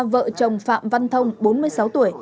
vợ chồng phạm văn thông bốn mươi sáu tuổi